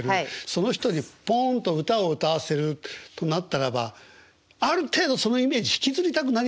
その人にポンと歌を歌わせるとなったらばある程度そのイメージ引きずりたくなりますよねでもね。